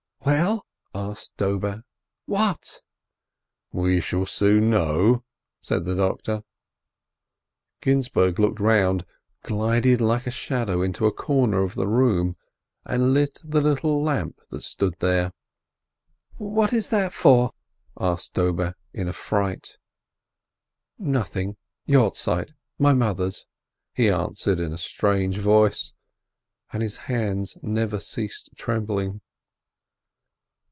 "Well," asked Dobe, "what?" "We shall soon know," said the doctor. Ginzburg looked round, glided like a shadow into a corner of the room, and lit the little lamp that stood there. "What is that for?" asked Dobe, in a fright. "Nothing, Yohrzeit — my mother's," he answered in a strange voice, and his hands never ceased trembling.